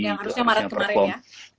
yang harusnya maret kemarin ya